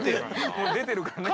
◆もう出てるからね。